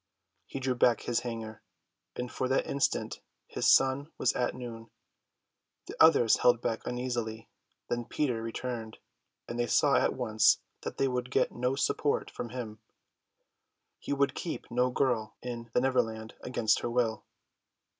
He drew back his hanger; and for that instant his sun was at noon. The others held back uneasily. Then Peter returned, and they saw at once that they would get no support from him. He would keep no girl in the Neverland against her will.